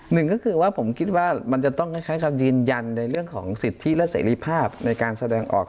หนึ่งก็คือว่าผมคิดว่ามันจะต้องคล้ายคำยืนยันในเรื่องของสิทธิและเสรีภาพในการแสดงออก